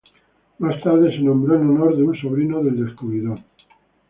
Más tarde, se nombró en honor de un sobrino del descubridor.